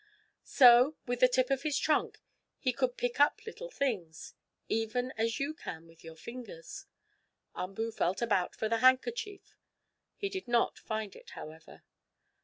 So, with the tip of his trunk, which could pick up little things, even as you can with your fingers, Umboo felt about for the handkerchief. He did not find it, however.